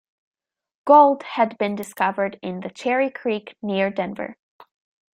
Gold, had been discovered in the Cherry Creek, near Denver.